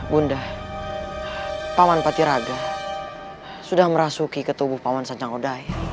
bunda paman batiraka sudah merasuki ketubuh paman sancang lodaya